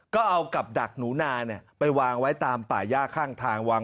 ก็เอากับดักหนูนาไปวางไว้ตามป่าย่าข้างทางวาง